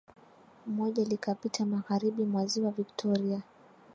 Moja likapita magharibi mwa Ziwa Victoria